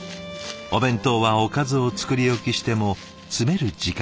お弁当はおかずを作り置きしても詰める時間がとられる。